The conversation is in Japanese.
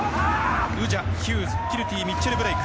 ウジャ、ヒューズキルティミッチェル・ブレイク。